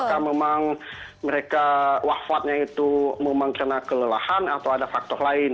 apakah memang mereka wafatnya itu memang karena kelelahan atau ada faktor lain